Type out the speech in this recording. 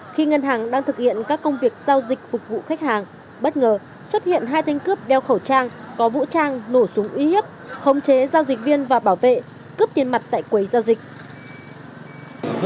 khi ngân hàng đang thực hiện các công việc giao dịch phục vụ khách hàng bất ngờ xuất hiện hai tên cướp đeo khẩu trang có vũ trang nổ súng uy hiếp khống chế giao dịch viên và bảo vệ cướp tiền mặt tại quầy giao dịch